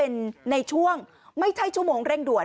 ในช่วงไม่ใช่ชั่วโมงเร่งด่วน